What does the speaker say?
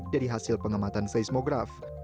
dari hasil pengamatan seismograf